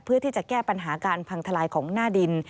เพื่อที่จะแก้ปัญหาการพังทลายของหน้าดิน